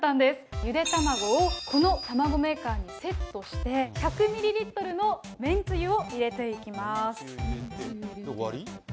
ゆで卵をこのたまごメーカーにセットして、１００ミリリットルのめんつゆを入れていきます。